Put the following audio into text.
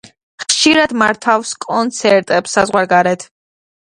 ხშირად მართავს კონცერტებს საზღვარგარეთ.